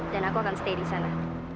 dan aku akan stay di sana